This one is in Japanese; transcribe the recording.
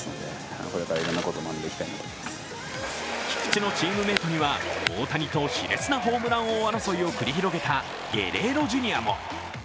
菊池のチームメートには大谷としれつなホームラン争いを繰り広げたゲレーロ・ジュニアも。